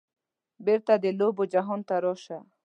بیرته د لوبو جهان ته راشه